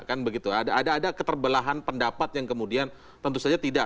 ada keterbelahan pendapat yang kemudian tentu saja tidak